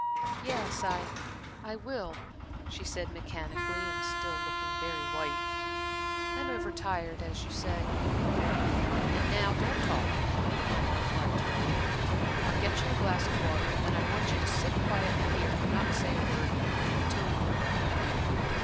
"Yes, I I will," she said, mechanically, and still looking very white. "I'm over tired, as you say." "And now don't talk," he went on, peremptorily. "I'll get you a glass of water, and then I want you to sit quietly here, and not say a word, till you are better."